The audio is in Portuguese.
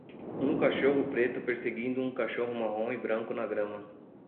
um cachorro preto perseguindo um cachorro marrom e branco na grama